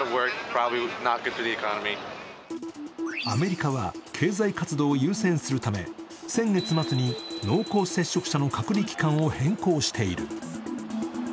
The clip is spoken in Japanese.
アメリカは経済活動を優先するため先月末に濃厚接触者の隔離期間を変更している。